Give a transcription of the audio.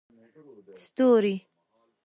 ستوري